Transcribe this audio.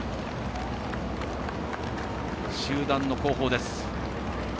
集団の後方です。